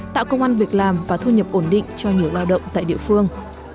tạo công an việc làm và thu nhập ổn định cho nhiều lao động tại địa phương